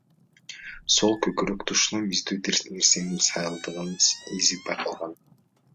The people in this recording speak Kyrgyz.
Сол көкүрөк тушуна миздүү нерсенин сайылгандагы изи байкалган.